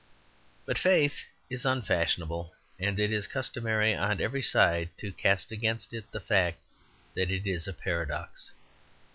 But faith is unfashionable, and it is customary on every side to cast against it the fact that it is a paradox.